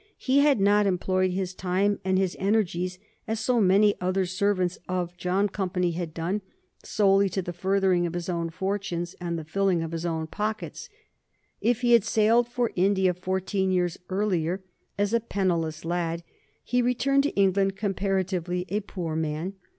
He had not employed his time and his energies, as so many other servants of John Company had done, solely to the furthering of his own fortunes, and the filling of his own pockets. If he had sailed for India fourteen years earlier as a penniless lad, he returned to England comparatively a poor man.